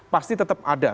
pasti tetap ada